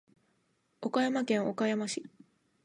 岡山県岡山市